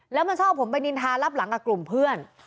แล้วมันชอบผมไปนินทารับหลังกับกลุ่มเพื่อน